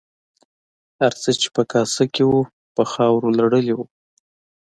هر څه چې په کاسه کې وو په خاورو لړلي وو.